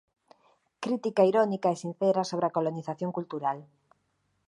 Crítica irónica e sincera sobre a colonización cultural.